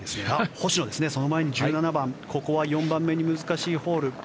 星野、その前に１７番ここは４番目に難しいホール。